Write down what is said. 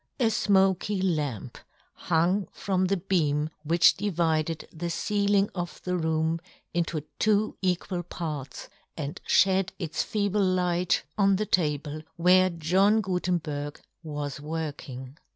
A fmoky lamp hung from the beam which divided the ceiling of John Gutenberg. 29 the room into two equal parts, and fhed its feeble light on the table where John Gutenberg was work ing.